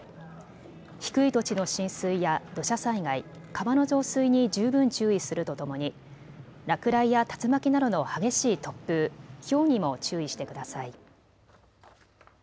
低い土地の浸水や土砂災害、川の増水に十分注意するとともに落雷や竜巻などの激しい突風、ひょうにも注意してください。